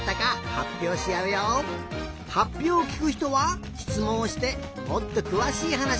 はっぴょうをきくひとはしつもんをしてもっとくわしいはなしをきいてみよう。